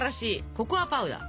ココアパウダー。